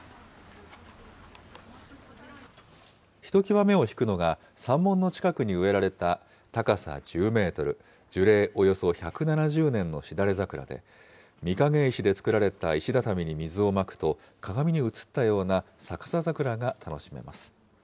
ひときわ目を引くのが、山門の近くに植えられた高さ１０メートル、樹齢およそ１７０年のしだれ桜で、みかげ石で造られた石畳に水をまくと、鏡に映ったような逆さ桜が楽しめます。